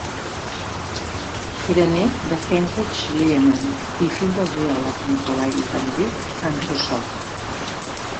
Era el net de Heinrich Schliemann i fill del geòleg Nicolai Ivanovich Andrusov.